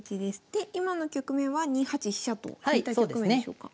で今の局面は２八飛車と引いた局面でしょうか？